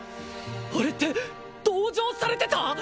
あれって同情されてた？